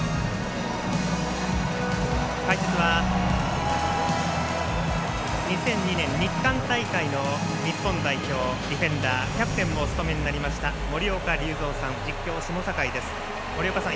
解説は２００２年日韓大会の日本代表ディフェンダーキャプテンもお務めになりました森岡隆三さん。